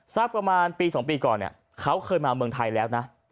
สักประมาณปี๒ปีก่อนเนี่ยเขาเคยมาเมืองไทยแล้วนะ